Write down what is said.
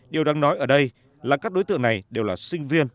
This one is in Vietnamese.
điều đáng nói ở đây là các đối tượng này đều là sinh viên